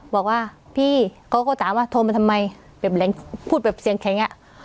บอกว่าพี่เขาก็ถามว่าโทรมาทำไมแบบพูดแบบเสียงแข็งอ่ะ